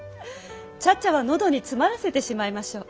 茶々は喉に詰まらせてしまいましょう。